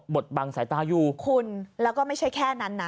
ดบังสายตาอยู่คุณแล้วก็ไม่ใช่แค่นั้นนะ